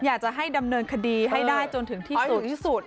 อยากจะให้ดำเนินคดีให้ได้จนถึงที่สุดที่สุด